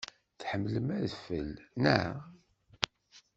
Tḥemmlem adfel, naɣ?